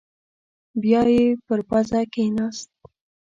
بيايې پر پزه کېناست.